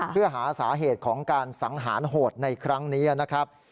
เพื่อหาสาเหตุของการสังหารโหดในครั้งนี้นะครับ